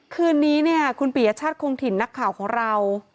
คืนนี้เนี่ยคุณปียชาติคงถิ่นนักข่าวของเรา